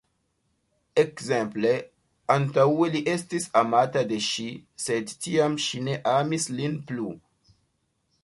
Ekz: Antaŭe li estis amata de ŝi, sed tiam ŝi ne amis lin plu.